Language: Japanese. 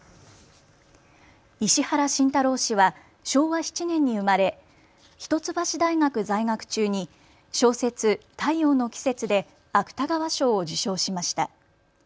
石原慎太郎氏は昭和７年に生まれ一橋大学在学中に小説、太陽の季節で芥川賞を受賞しました。